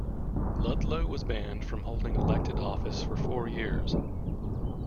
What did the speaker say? Ludlow was banned from holding elected office for four years.